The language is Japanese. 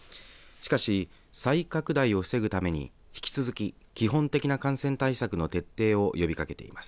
しかし、再拡大を防ぐために引き続き、基本的な感染対策の徹底を呼びかけています。